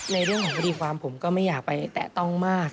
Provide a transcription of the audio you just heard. ในเรื่องของคดีความผมก็ไม่อยากไปแตะต้องมาก